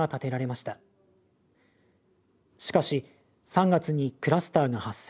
しかし３月にクラスターが発生。